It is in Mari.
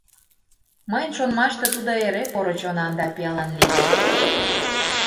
— Мыйын шонымаште, тудо эре поро чонан да пиалан лиеш.